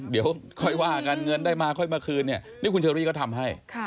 เดี๋ยวค่อยว่ากันเงินได้มาค่อยมาคืนเนี่ยนี่คุณเชอรี่ก็ทำให้